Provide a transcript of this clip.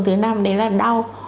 thứ năm đấy là đau